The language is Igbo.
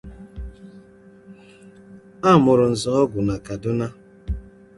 a mụrụ Nzeọgwụ na Kaduna